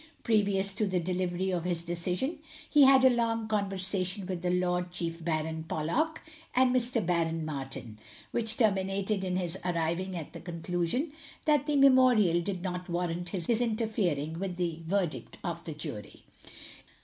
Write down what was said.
Previous to the delivery of his decision he had a long conversation with the Lord Chief Baron Pollock and Mr. Baron Martin, which terminated in his arriving at the conclusion that the memorial did not warrant his interfering with the verdict of the jury.